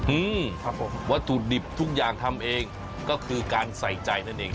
อืมครับผมวัตถุดิบทุกอย่างทำเองก็คือการใส่ใจนั่นเอง